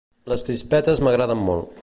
Les crispetes m'agraden molt.